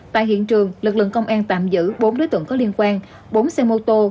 tại hiện trường lực lượng công an tạm giữ bốn đối tượng có liên quan bốn xe mô tô